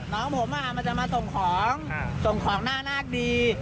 น้องผมมันจะมาส่งของส่งของหน้านาคดี